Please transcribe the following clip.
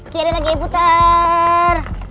kiri lagi puter